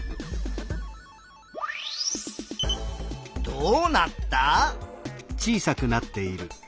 どうなった？